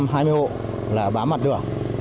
một trăm hai mươi hộ là bám mặt đường